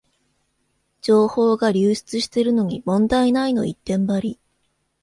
情報が流出してるのに問題ないの一点張り